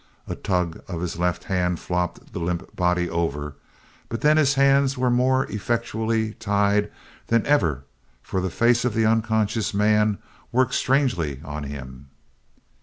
A tug of his left hand flopped the limp body over, but then his hands were more effectually tied than ever for the face of the unconscious man worked strangely on him.